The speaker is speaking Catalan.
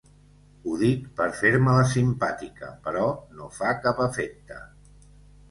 Ho dic per fer-me la simpàtica, però no fa cap efecte.